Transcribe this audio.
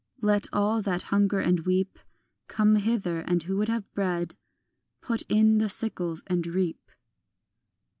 Let all that hunger and weep Come hither, and who would have bread Put in the sickles and reap.